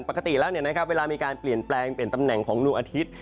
ปกติแล้วเนี่ยนะครับเวลามีการเปลี่ยนแปลงเป็นตำแหน่งของดวงอาทิตย์